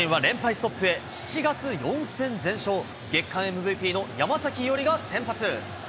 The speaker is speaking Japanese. ストップへ、７月４戦全勝、月間ＭＶＰの山崎伊織が先発。